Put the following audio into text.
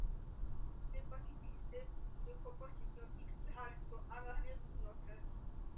Les possibilités de composition picturale sont alors les plus nombreuses.